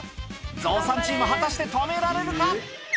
ゾウさんチーム、果たして止められるか。